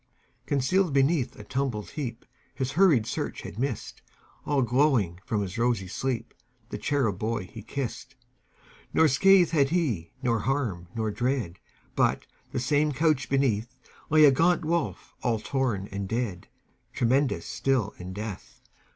Concealed beneath a tumbled heapHis hurried search had missed, All glowing from his rosy sleep, The cherub boy he kissed. Nor scath had he, nor harm, nor dread, But, the same couch beneath, Lay a gaunt wolf, all torn and dead, Tremendous still in death.